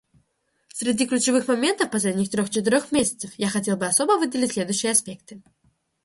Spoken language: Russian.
Среди ключевых моментов последних трех-четырех месяцев я хотел бы особо выделить следующие аспекты.